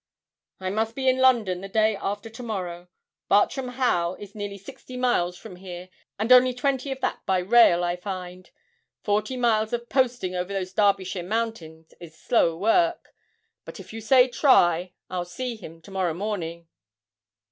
'I must be in London the day after to morrow. Bartram Haugh is nearly sixty miles from here, and only twenty of that by rail, I find. Forty miles of posting over those Derbyshire mountains is slow work; but if you say try, I'll see him to morrow morning.'